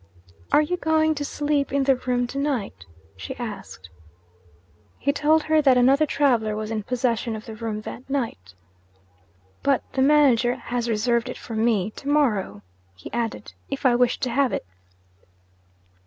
'Are you going to sleep in the room to night?' she asked. He told her that another traveller was in possession of the room that night. 'But the manager has reserved it for me to morrow,' he added, 'if I wish to have it.'